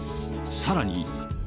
さらに。